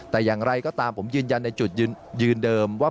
แต่อย่างไรก็ตามผมยืนยันในจุดยืนเดิมว่า